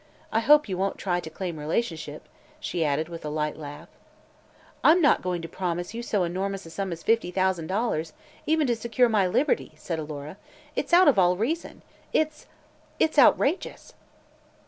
I hope you won't try to claim relationship," she added with a light laugh. "I'm not going to promise you so enormous a sum as fifty thousand dollars, even to secure my liberty," said Alora. "It's out of all reason it's it's outrageous!"